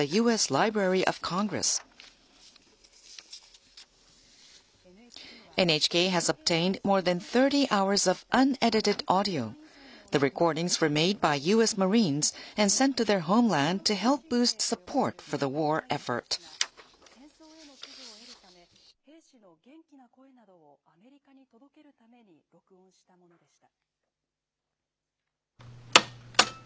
ラジオ通信兵と呼ばれる海兵隊の兵士が、戦争への支持を得るため、兵士の元気な声などをアメリカに届けるために録音したものでした。